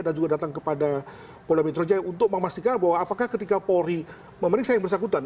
dan juga datang kepada polri amin trojaya untuk memastikan bahwa apakah ketika polri memeriksa yang bersyakutan